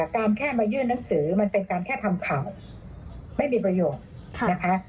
แค่มายื่นหนังสือมันเป็นการแค่ทำข่าวไม่มีประโยชน์นะคะ